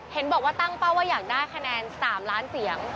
เห็นบอกว่าตั้งเป้าว่าอยากได้คะแนน๓ล้านเสียง